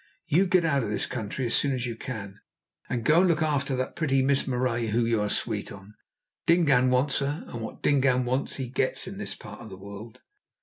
You get out of this country as soon as you can, and go to look after that pretty Miss Marais, whom you are sweet on. Dingaan wants her, and what Dingaan wants he gets in this part of the world."